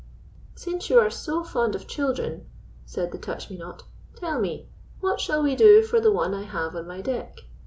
"Since you are so fond of children," said the Touch me not, "tell me, what shall we do for the one I have on my deck?